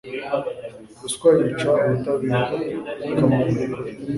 Ruswa yica ubutabera ikamunga ukuri,